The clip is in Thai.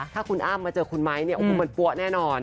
ถ้าคุณอ้ามมาเจอคุณไมค์มันปั้วแน่นอน